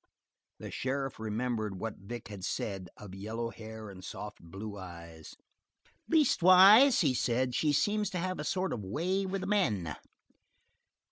The sheriff remembered what Vic had said of yellow hair and soft blue eyes. "Leastways," he said, "she seems to have a sort of way with the men."